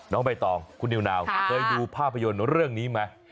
น้องใบตองคุณนิวนาวเคยดูภาพยนตร์เรื่องนี้ไหม